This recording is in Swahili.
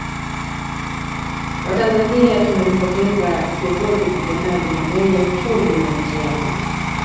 Watanzania tumempoteza kiongozi mpiganaji na mwenye uchungu na nchi yake